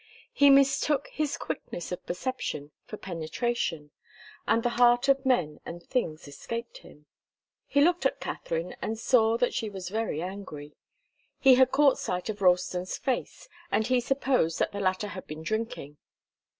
He mistook his quickness of perception for penetration, and the heart of men and things escaped him. He looked at Katharine and saw that she was very angry. He had caught sight of Ralston's face, and he supposed that the latter had been drinking.